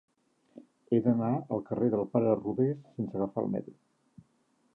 He d'anar al carrer del Pare Rodés sense agafar el metro.